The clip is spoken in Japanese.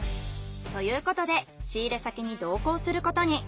ということで仕入れ先に同行することに。